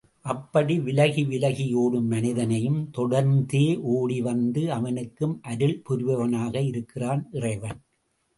அப்படி விலகி விலகி ஓடும் மனிதனையும் தொடர்ந்தே ஓடிவந்து அவனுக்கும் அருள் புரிபவனாக இருக்கிறான் இறைவன்.